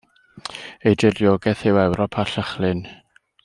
Ei diriogaeth yw Ewrop a Llychlyn.